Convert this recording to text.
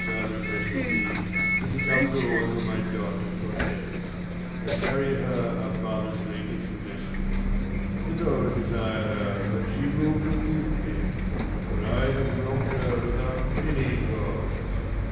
I'll request of thee, Is that thou go unto my daughter Cordelia, And carry her her father's latest blessing : Withal desire her, that she will forgive me ; For I have wrong'd her without any cause.